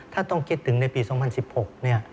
ถ้าต้องคิดถึงในปี๒๐๑๖เนี่ย